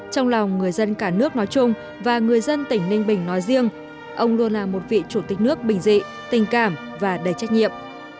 trong lòng người dân cả nước nói chung và người dân tỉnh ninh bình nói riêng ông luôn là một vị chủ tịch nước bình dị tình cảm và đầy trách nhiệm